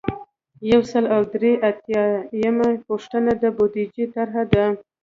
یو سل او درې اتیایمه پوښتنه د بودیجې طرحه ده.